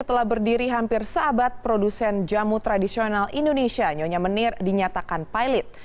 telah berdiri hampir seabad produsen jamu tradisional indonesia nyonya menir dinyatakan pilot